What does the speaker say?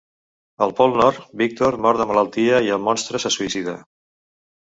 Al Pol Nord, Víctor mor de malaltia i el monstre se suïcida.